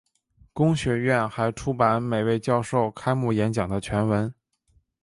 公学院还出版每位教授开幕演讲的全文。